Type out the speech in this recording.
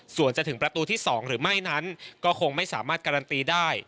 ส่วนจะถึงประตูที่๒หรือไม่นั้นก็คงไม่สามารถการันตีได้